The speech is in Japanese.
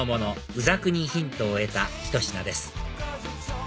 うざくにヒントを得たひと品です